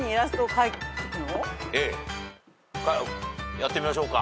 やってみましょうか。